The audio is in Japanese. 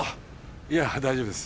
いや大丈夫です。